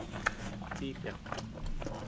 piipiq